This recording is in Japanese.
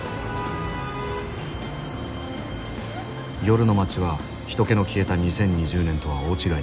夜の街は人けの消えた２０２２年とは大違いだ。